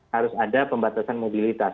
harus ada pembatasan mobilitas